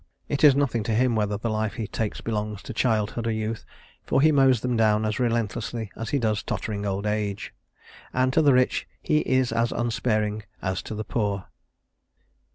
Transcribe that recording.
It is nothing to him whether the life he takes belongs to childhood or youth, for he mows them down as relentlessly as he does tottering old age. And to the rich he is as unsparing as to the poor.